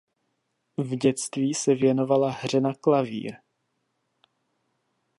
V dětství se věnovala hře na klavír.